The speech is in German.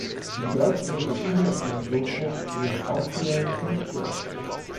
Sie bedeutete den internationalen Durchbruch für den Schauspieler Hugh Grant.